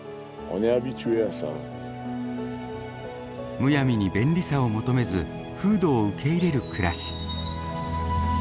むやみに便利さを求めず風土を受け入れる暮らし。